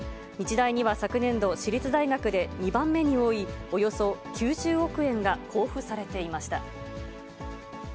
日大には昨年度、私立大学で２番目に多いおよそ９０億円が交付されていました。